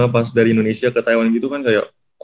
pas dari indonesia ke taiwan gitu kan kayak